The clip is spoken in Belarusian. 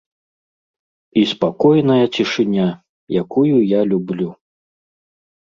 І спакойная цішыня, якую я люблю.